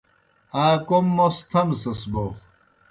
آ کوْم موْس تھمسَس بوْ